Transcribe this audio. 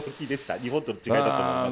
日本との違いだと思います。